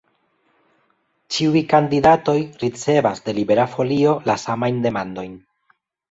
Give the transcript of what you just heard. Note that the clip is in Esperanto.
Ĉiuj kandidatoj ricevas de Libera Folio la samajn demandojn.